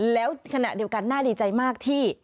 แล้วขณะเดียวกันน่าดีใจมากที่